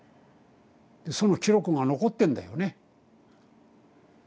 その記録が残ってんだよね。